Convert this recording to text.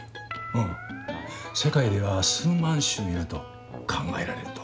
世界では数万種いると考えられる」と。